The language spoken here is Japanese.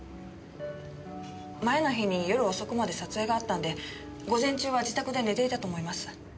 前の日に夜遅くまで撮影があったんで午前中は自宅で寝ていたと思います。